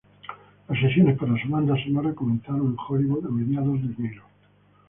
Las sesiones para su banda sonora comenzaron en Hollywood a mediados de enero.